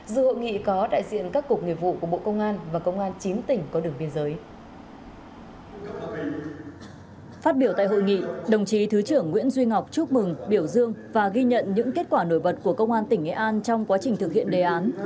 phát biểu tại hội nghị đồng chí thứ trưởng nguyễn duy ngọc chúc mừng biểu dương và ghi nhận những kết quả nổi bật của công an tỉnh nghệ an trong quá trình thực hiện đề án